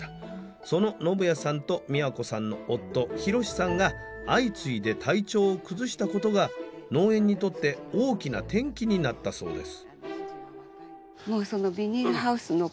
その信彌さんと美和子さんの夫博四さんが相次いで体調を崩したことが農園にとって大きな転機になったそうです。